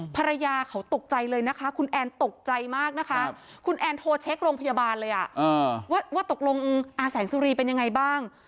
ภรรยาเขาตกใจเลยนะคะคุณแอนตกใจมากนะคะคุณแอนโทรเช็คโรงพยาบาลเลยว่าตกลงอาแสงสุรีเป็นยังไงบ้าง